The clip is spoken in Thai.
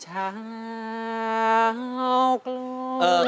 ช้าวกลุ้ง